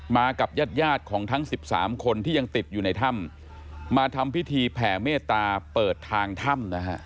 กับญาติยาดของทั้ง๑๓คนที่ยังติดอยู่ในถ้ำมาทำพิธีแผ่เมตตาเปิดทางถ้ำนะฮะ